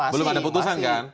belum ada putusan kan